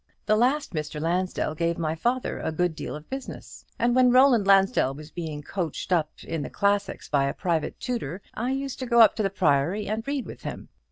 The last Mr. Lansdell gave my father a good deal of business; and when Roland Lansdell was being coached up in the Classics by a private tutor, I used to go up to the Priory and read with him.